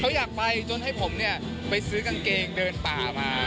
เขาอยากไปจนให้ผมเนี่ยไปซื้อกางเกงเดินป่ามา